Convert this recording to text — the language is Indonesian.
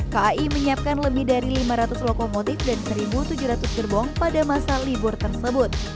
kai menyiapkan lebih dari lima ratus lokomotif dan satu tujuh ratus gerbong pada masa libur tersebut